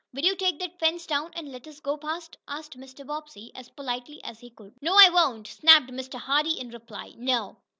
"Will you take that fence down, and let us go past?" asked Mr. Bobbsey, as politely as he could. "No, I won't!" snapped Mr. Hardee in reply. "No!"